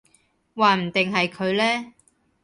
話唔定係佢呢